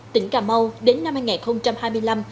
tỉnh cà mau đến năm hai nghìn